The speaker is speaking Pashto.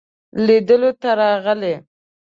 لیدلو ته راغی.